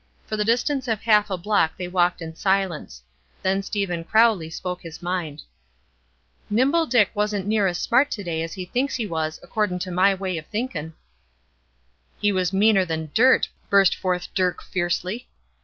For the distance of half a block they walked in silence; then Stephen Crowley spoke his mind: "Nimble Dick wasn't near as smart to day as he thinks he was, accordin' to my way of thinkin'." "He was meaner than dirt!" burst forth Dirk, fiercely.